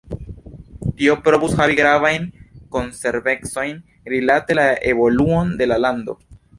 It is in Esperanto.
Tio povus havi gravajn konsekvencojn rilate la evoluon de la lando.